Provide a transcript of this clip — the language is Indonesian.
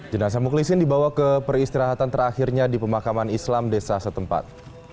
jenazah mukhlisin dibawa ke peristirahatan terakhirnya di pemakaman islam desa setempat